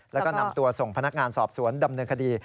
แล้วก็นำตัวส่งพนักงานสอบสวนดำเนินคดี